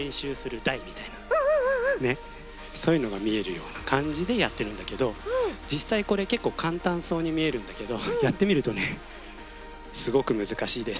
そういうのがみえるようなかんじでやってるんだけどじっさいこれけっこうかんたんそうにみえるんだけどやってみるとねすごくむずかしいです。